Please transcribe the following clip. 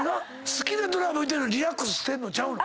好きでドラマ見てるのにリラックスしてんのちゃうの？